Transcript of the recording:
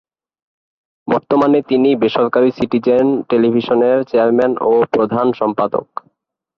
বর্তমানে তিনি বেসরকারি সিটিজেন টেলিভিশনের চেয়ারম্যান ও প্রধান সম্পাদক।